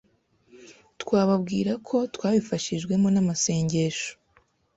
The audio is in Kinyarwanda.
twababwiraga ko twabifashijwemo n’amasengesho